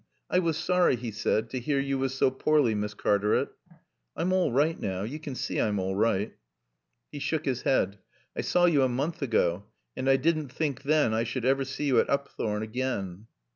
"I was sorry," he said, "to hear yo was so poorly, Miss Cartaret." "I'm all right now. You can see I'm all right." He shook his head. "I saw yo' a moonth ago, and I didn't think then I sud aver see yo' at Oopthorne again."